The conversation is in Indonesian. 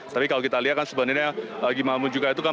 tapi kalau kita lihat kan sebenarnya gimana juga itu kan